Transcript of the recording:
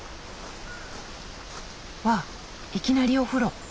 わっいきなりお風呂。